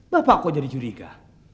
bapak kok jadi curiga